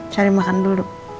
cari makan dulu